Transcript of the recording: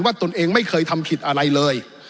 ตนเองไม่เคยทำผิดอะไรเลย